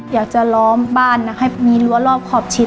ล้อมบ้านให้มีรั้วรอบขอบชิด